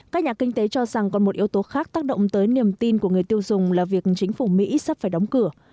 các nhà kinh tế cho rằng còn một yếu tố khác tác động tới niềm tin của người tiêu dùng là việc chính phủ mỹ sắp phải đóng cửa